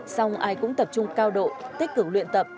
xong ai cũng tập trung cao độ tích cực luyện tập